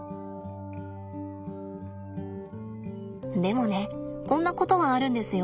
でもねこんなことはあるんですよ。